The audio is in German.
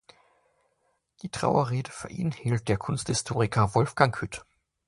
Die Trauerrede für ihn hielt der Kunsthistoriker Wolfgang Hütt.